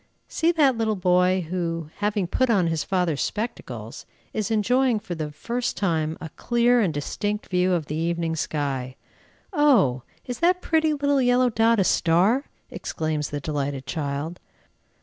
See that little boy, who, having put on his father's spectacles, is enjoying for the first time a clear and distinct view of the evening sky. "Oh! is that pretty little yellow dot a star?" exclaims the delighted child.